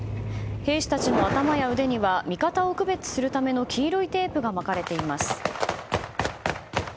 兵士たちの頭や腕には味方を区別するための黄色いテープが巻かれています。